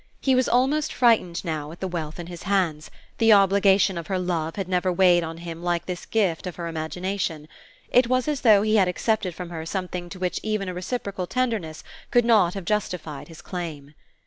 He was almost frightened now at the wealth in his hands; the obligation of her love had never weighed on him like this gift of her imagination: it was as though he had accepted from her something to which even a reciprocal tenderness could not have justified his claim.